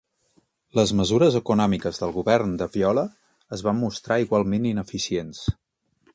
Les mesures econòmiques del govern de Viola es van mostrar igualment ineficients.